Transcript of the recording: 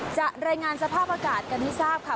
จะรายงานสภาพภากาศกันที่ทราบผู้ไส้